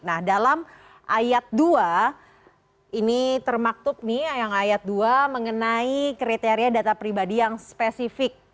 nah dalam ayat dua ini termaktub nih yang ayat dua mengenai kriteria data pribadi yang spesifik